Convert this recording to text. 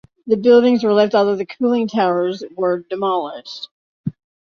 The buildings were left although the cooling towers were demolished.